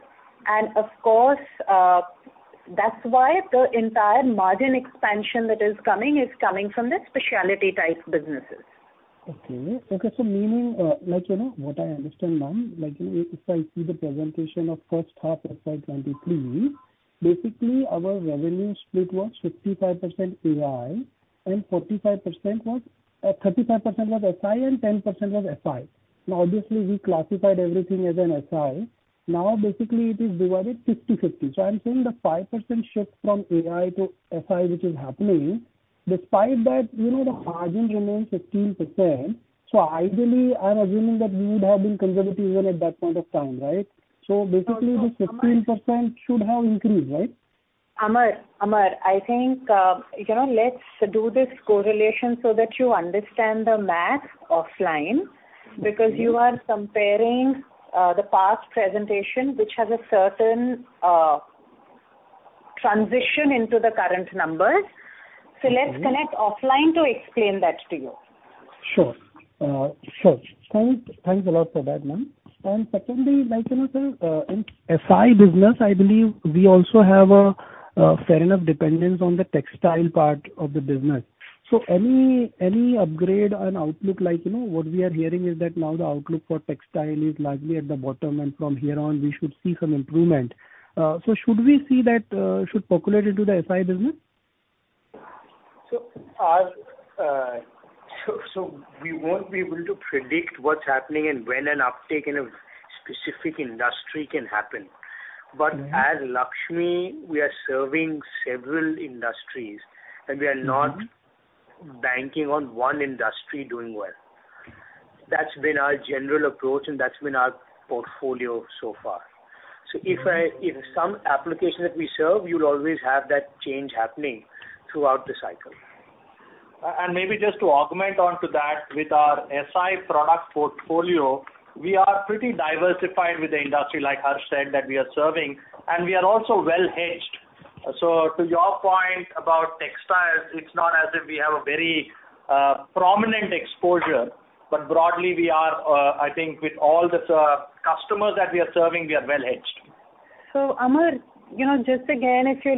Of course, that's why the entire margin expansion that is coming is coming from the specialty type businesses. Okay. Okay. Meaning, like, you know what I understand, ma'am, like, you know, if I see the presentation of first half FY 2023, basically our revenue split was 65% AI and 45% was 35% was SI and 10% was FI. Obviously we classified everything as an SI. Basically it is divided 50-50. I'm saying the 5% shift from AI to SI, which is happening, despite that, you know, the margin remains 15%. Ideally I'm assuming that we would have been conservative even at that point of time, right? No, Amar... basically the 15% should have increased, right? Amar, I think, you know, let's do this correlation so that you understand the math offline. Mm-hmm. Because you are comparing the past presentation, which has a certain transition into the current numbers. Mm-hmm. Let's connect offline to explain that to you. Sure. Sure. Thanks a lot for that, ma'am. Secondly, like, you know, sir, in SI business, I believe we also have a fair enough dependence on the textile part of the business. Any, any upgrade on outlook, like, you know, what we are hearing is that now the outlook for textile is largely at the bottom, and from here on we should see some improvement. Should we see that should percolate into the SI business? As we won't be able to predict what's happening and when an uptick in a specific industry can happen. Mm-hmm. As Laxmi, we are serving several industries. Mm-hmm. We are not banking on one industry doing well. That's been our general approach, and that's been our portfolio so far. Mm-hmm. If some application that we serve, you'll always have that change happening throughout the cycle. Maybe just to augment onto that with our SI product portfolio, we are pretty diversified with the industry, like Harsh said, that we are serving, and we are also well hedged. To your point about textiles, it's not as if we have a very prominent exposure. Broadly, we are, I think with all the customers that we are serving, we are well hedged. Amar, you know, just again, if you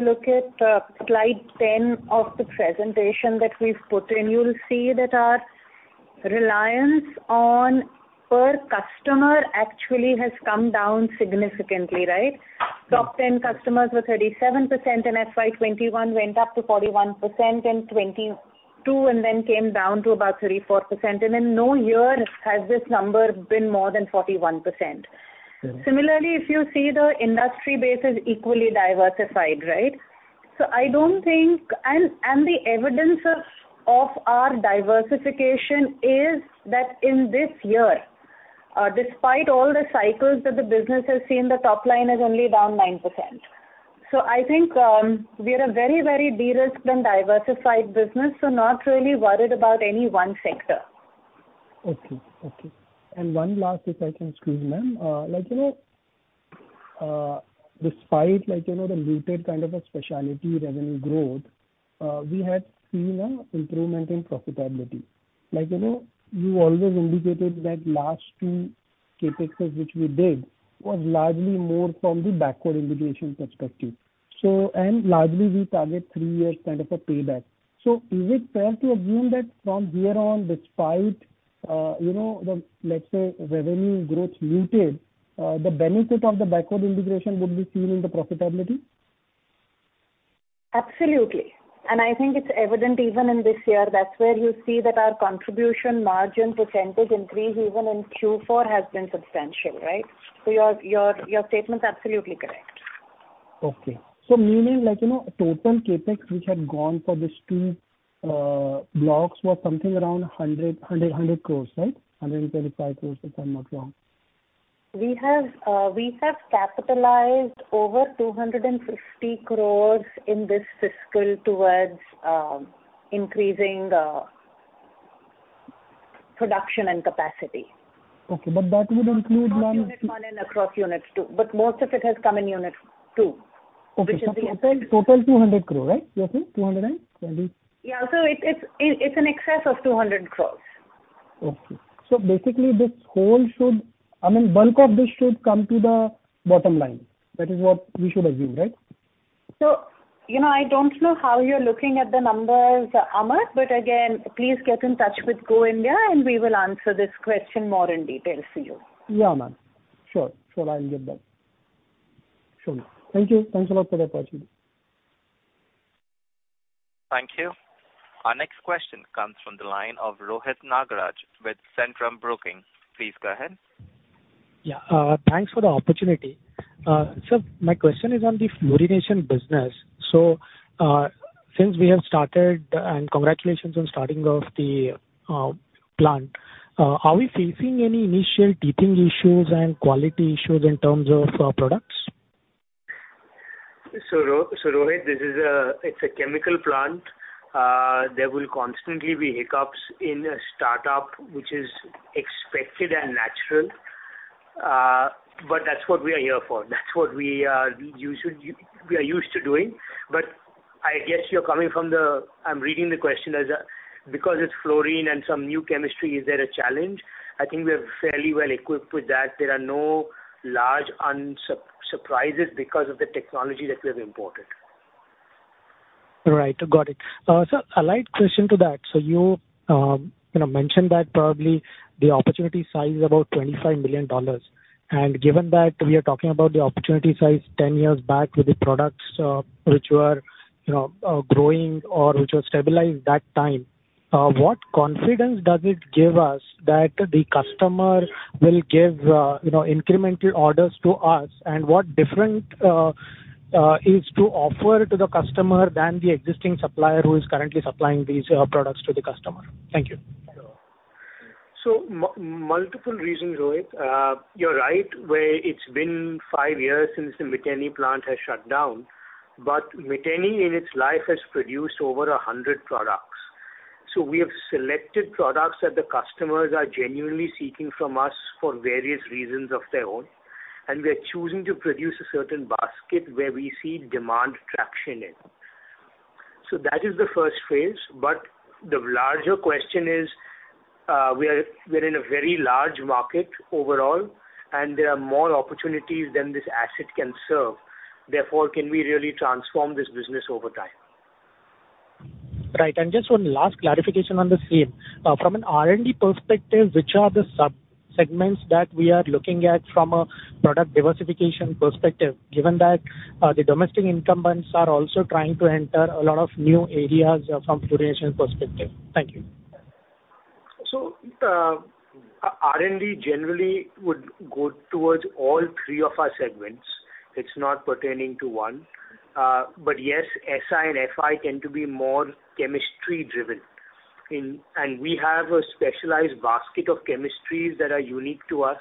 look at slide 10 of the presentation that we've put in, you'll see that our reliance on per customer actually has come down significantly, right? Top 10 customers were 37% in FY 2021, went up to 41% in 2022, and then came down to about 34%. In no year has this number been more than 41%. Mm-hmm. Similarly, if you see the industry base is equally diversified, right? I don't think. The evidence of our diversification is that in this year, despite all the cycles that the business has seen, the top line is only down 9%. I think, we are a very, very de-risked and diversified business, so not really worried about any one sector. Okay. Okay. One last, if I can squeeze, ma'am? Like, you know, despite, like, you know, the muted kind of a specialty revenue growth, we had seen a improvement in profitability. Like, you know, you always indicated that last two CapExes which we did was largely more from the backward integration perspective. Largely we target three years kind of a payback. Is it fair to assume that from here on, despite, you know, the, let's say, revenue growth muted, the benefit of the backward integration would be seen in the profitability? Absolutely. I think it's evident even in this year. That's where you see that our contribution margin % increase even in Q4 has been substantial, right? Your statement's absolutely correct. Meaning like, you know, total CapEx which had gone for these two blocks was something around 135 crores, if I'm not wrong. We have capitalized over 250 crores in this fiscal towards increasing production and capacity. Okay. That would include- Across Unit 1 and across Unit 2, most of it has come in Unit 2. Okay. Which is. total 200 crore, right? You're saying 220. Yeah. It's in excess of 200 crores. Okay. Basically, I mean, bulk of this should come to the bottom line. That is what we should assume, right? You know, I don't know how you're looking at the numbers, Amar, but again, please get in touch with Go India, and we will answer this question more in detail for you. Yeah, ma'am. Sure, I'll get back. Sure. Thank you. Thanks a lot for the opportunity. Thank you. Our next question comes from the line of Rohit Nagaraj with Centrum Broking. Please go ahead. Yeah. Thanks for the opportunity. My question is on the fluorination business. Since we have started, and congratulations on starting of the plant, are we facing any initial teething issues and quality issues in terms of products? Rohit, this is a chemical plant. There will constantly be hiccups in a startup, which is expected and natural. That's what we are here for. That's what we are used to doing. I guess you're coming from the... I'm reading the question as, because it's fluorine and some new chemistry, is there a challenge? I think we are fairly well equipped with that. There are no large surprises because of the technology that we have imported. Right. Got it. Sir, a light question to that. You, you know, mentioned that probably the opportunity size is about $25 million. Given that we are talking about the opportunity size 10 years back with the products, which were, you know, growing or which were stabilized that time, what confidence does it give us that the customer will give, you know, incremental orders to us? What different is to offer to the customer than the existing supplier who is currently supplying these products to the customer? Thank you. Multiple reasons, Rohit. You're right where it's been five years since the Miteni plant has shut down, but Miteni in its life has produced over 100 products. We have selected products that the customers are genuinely seeking from us for various reasons of their own, and we are choosing to produce a certain basket where we see demand traction in. That is the first phase. The larger question is, we're in a very large market overall, and there are more opportunities than this asset can serve. Therefore, can we really transform this business over time? Right. Just one last clarification on the same. From an R&D perspective, which are the sub-segments that we are looking at from a product diversification perspective, given that the domestic incumbents are also trying to enter a lot of new areas from fluorination perspective? Thank you. R&D generally would go towards all three of our segments. It's not pertaining to one. But yes, SI and FI tend to be more chemistry driven in... We have a specialized basket of chemistries that are unique to us.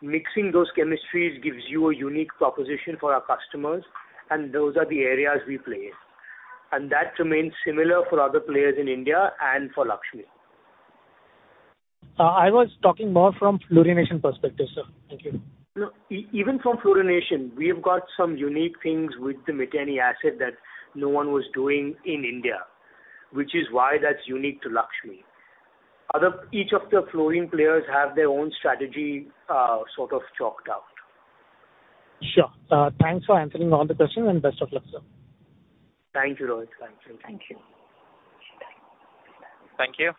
Mixing those chemistries gives you a unique proposition for our customers, and those are the areas we play in. That remains similar for other players in India and for Laxmi. I was talking more from fluorination perspective, sir. Thank you. No, even from fluorination, we have got some unique things with the Miteni asset that no one was doing in India, which is why that's unique to Laxmi. Other, each of the fluorine players have their own strategy, sort of chalked out. Sure. Thanks for answering all the questions and best of luck, sir. Thank you, Rohit. Thank you. Thank you.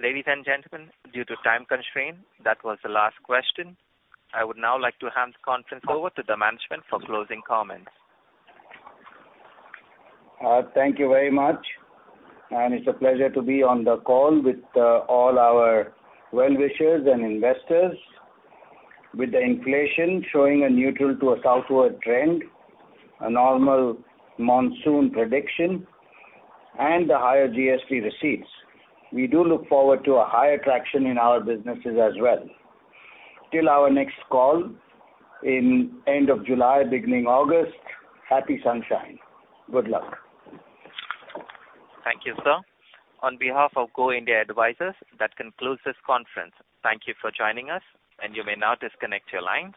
Ladies and gentlemen, due to time constraint, that was the last question. I would now like to hand the conference over to the management for closing comments. Thank you very much. It's a pleasure to be on the call with all our well-wishers and investors. With the inflation showing a neutral to a southward trend, a normal monsoon prediction, and the higher GST receipts, we do look forward to a higher traction in our businesses as well. Till our next call in end of July, beginning August, happy sunshine. Good luck. Thank you, sir. On behalf of Go India Advisors, that concludes this conference. Thank you for joining us. You may now disconnect your lines.